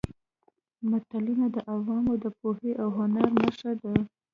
متلونه د عوامو د پوهې او هنر نښه ده